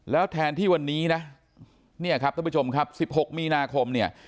แล้วแทนที่วันนี้นะเนี่ยครับท่านผู้ชมครับ๑๖มีนาคมเนี่ย